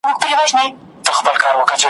هم غړومبی دی له اسمانه هم له مځکي ,